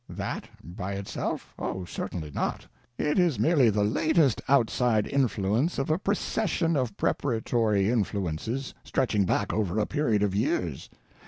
That, by itself? Oh, certainly not. It is merely the _latest _outside influence of a procession of preparatory influences stretching back over a period of years.